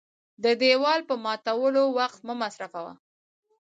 د دېوال په ماتولو وخت مه مصرفوه .